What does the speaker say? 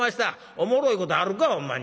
「おもろいことあるかほんまに。